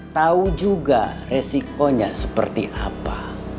tahu juga resikonya seperti apa